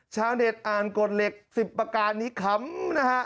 ชาวเน็ตอ่านกฎเหล็ก๑๐ประการนี้ขำนะฮะ